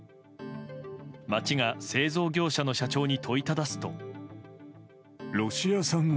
町が製造業者の社長に問いただすと。